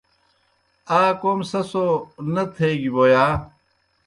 آ کوْم سہ سو نہ تھیگیْ بوْ یا؟